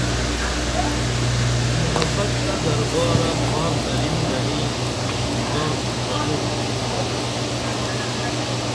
محبت تہ دربارہ پھار ترِیم گنی کشتی بان پرمُݜٹُم